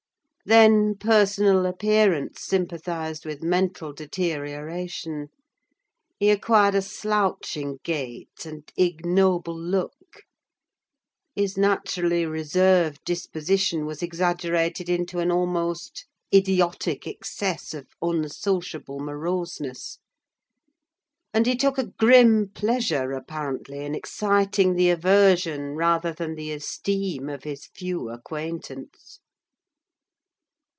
Then personal appearance sympathised with mental deterioration: he acquired a slouching gait and ignoble look; his naturally reserved disposition was exaggerated into an almost idiotic excess of unsociable moroseness; and he took a grim pleasure, apparently, in exciting the aversion rather than the esteem of his few acquaintance.